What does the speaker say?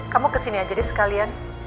kamu kesini aja jadi sekalian